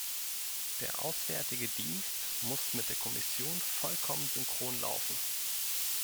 Der Auswärtige Dienst muss mit der Kommission vollkommen synchron laufen.